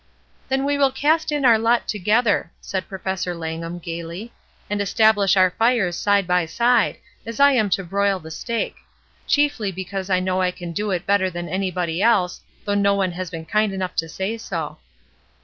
"Then we will cast in our lot together/' said Professor Langham, gayly, "and estabUsh our fires side by side, as I am to broil the steak; HARMONY AND DISCORD 125 chiefly because I know I can do it better than anybody else, though no one has been kind enough to say so.''